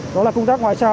đó là công tác ngoại sao